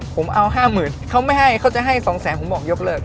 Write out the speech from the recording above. ผมเอาห้าหมื่นเขาไม่ให้เขาจะให้สองแสนผมบอกยกเลิก